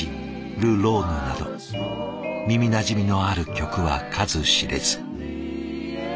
「ル・ローヌ」など耳なじみのある曲は数知れず。